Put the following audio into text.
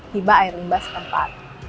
hibah air limbah setempat